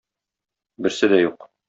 Берсе дә юк.